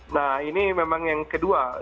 nah ini memang yang kedua